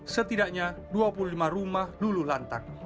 setidaknya dua puluh lima rumah lulu lantak